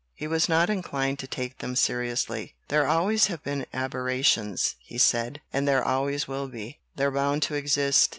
He was not inclined to take them seriously. "There always have been aberrations," he said, "and there always will be. They're bound to exist.